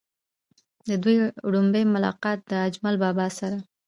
د دوي وړومبے ملاقات د اجمل بابا سره